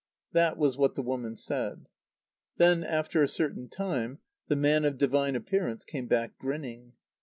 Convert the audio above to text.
That was what the woman said. Then, after a certain time, the man of divine appearance came back grinning.